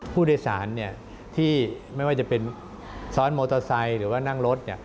ผู้โดยสารที่ไม่ว่าจะเป็นซ้อนมอเตอร์ไซค์หรือว่านั่งรถ